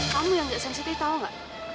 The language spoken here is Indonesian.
kamu yang nggak sensitif tahu nggak